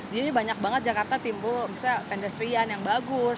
jadi banyak banget jakarta timbul misalnya pedestrian yang bagus